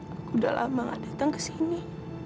aku udah lama gak datang ke sini